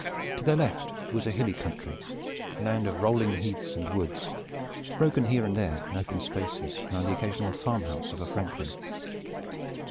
To their left was a hilly country, a land of rolling heaths and woods, broken here and there into open spaces round the occasional farm house of a franklin.